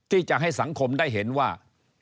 ที่จะให้สังคมได้เห็นว่า